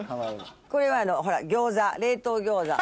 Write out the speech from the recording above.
これはほら餃子冷凍餃子。